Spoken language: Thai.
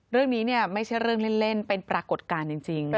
เรื่องนี้เนี่ยไม่ใช่เรื่องเล่นเป็นปรากฏการณ์จริง